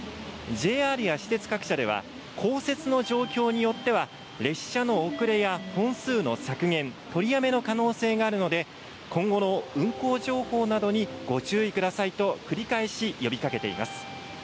ＪＲや私鉄各社では降雪の状況によっては列車の遅れや本数の削減、取りやめの可能性があるので今後の運行情報などにご注意くださいと繰り返し呼びかけています。